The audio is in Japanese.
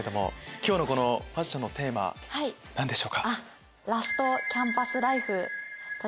今日のこのファッションのテーマ何でしょうか？